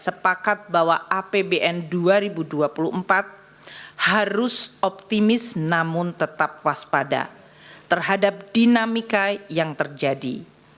sepakat bahwa apbn dua ribu dua puluh empat harus optimis namun tetap waspada terhadap dinamika yang terjadi